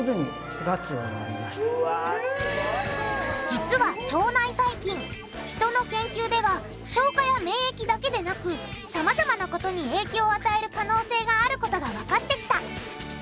実は腸内細菌人の研究では消化や免疫だけでなくさまざまなことに影響を与える可能性があることがわかってきた。